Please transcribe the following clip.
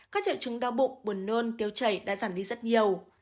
các triệu chứng đau bụng buồn nôn tiêu chảy đã giảm đi rất nhiều